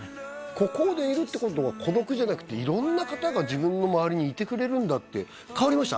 孤高でいるってことは孤独じゃなくて色んな方が自分の周りにいてくれるんだって変わりました？